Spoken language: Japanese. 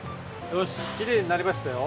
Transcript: きれいになりましたよ！